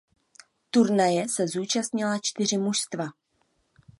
Turnaje se zúčastnila čtyři mužstva.